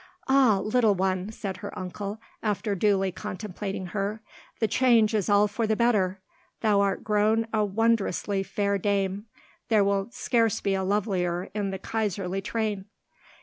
"Ah, little one!" said her uncle, after duly contemplating her; "the change is all for the better! Thou art grown a wondrously fair dame. There will scarce be a lovelier in the Kaiserly train."